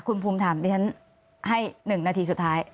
คุณภูมิถามดิฉันให้๑นาทีสุดท้าย